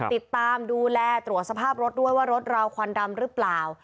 ติดตามดูแลตรวจสภาพรถด้วยว่ารถราวควันดำหรือเปล่า